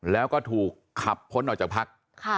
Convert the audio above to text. แล้วก็ถูกขับพ้นออกจากพัก